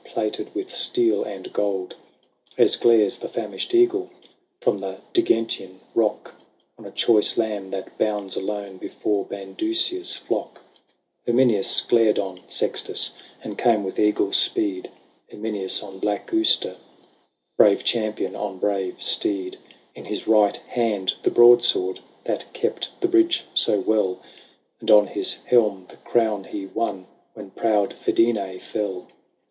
Plated with steel and gold. As glares the famished eagle From the Digentian rock On a choice lamb that bounds alone Before Bandusia's flock, 110 LAYS OF ANCIENT ROME. Herminius glared on Sextus, And came with eagle speed, Herminius on black Auster, Brave champion on brave steed ; In his right hand the broadsword That kept the bridge so well, And on his helm the crown he won When proud Fidense fell.